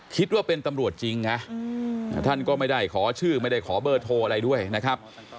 คิดว่าเป็นตำรวจจริงนะท่านก็ไม่ได้ขอชื่อไม่ได้ขอเบอร์โทรอะไรด้วยนะครับ